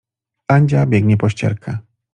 Andzia biegnie po ścierkę.